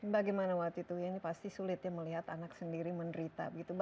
bagaimana waktu itu ya ini pasti sulit ya melihat anak sendiri menderita